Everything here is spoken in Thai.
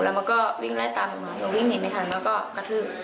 มันก็วิ่งไล่ตามหนูมาหนูวิ่งหนีไม่ทันแล้วก็กระทืบ